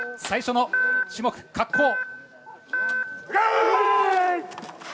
最初の種目、滑降。